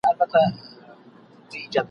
ته سبا هغه زموږ سره ملګری کړه.